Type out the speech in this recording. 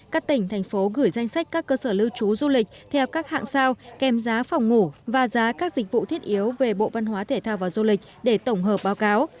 các tỉnh thành phố gửi danh sách các cơ sở lưu trú du lịch theo các hạng sao kèm giá phòng ngủ và giá các dịch vụ thiết yếu về bộ văn hóa thể thao và du lịch để tổng hợp báo cáo